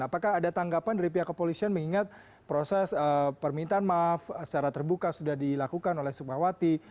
apakah ada tanggapan dari pihak kepolisian mengingat proses permintaan maaf secara terbuka sudah dilakukan oleh sukmawati